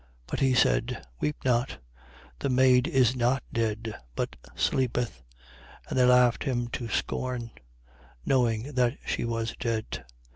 But he said: Weep not. The maid is not dead, but sleepeth. 8:53. And they laughed him to scorn, knowing that she was dead.